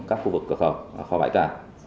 các khu vực cửa khẩu kho bãi cả